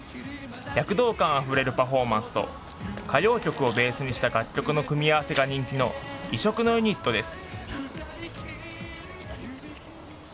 躍動感あふれるパフォーマンスと歌謡曲をベースにした楽曲の組み合わせが人気の異色のユニットです。